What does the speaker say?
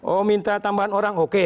oh minta tambahan orang oke